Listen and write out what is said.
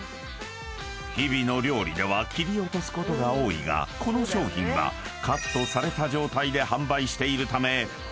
［日々の料理では切り落とすことが多いがこの商品はカットされた状態で販売しているため］